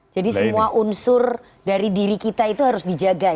jadi semua unsur dari diri kita itu harus dijaga ya